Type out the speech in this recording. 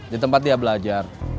di tempat dia belajar